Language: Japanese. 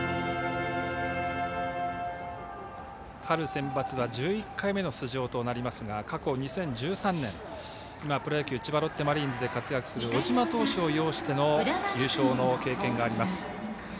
春センバツは１１回目の出場となりますが過去２０１３年にプロ野球の千葉ロッテマリーンズで活躍する小島投手を擁しての優勝の経験があります。